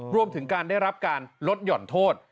รวมถึงการได้รับการลดหย่อนโทษ